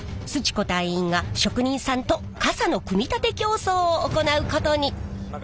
子隊員が職人さんと傘の組み立て競争を行うことに！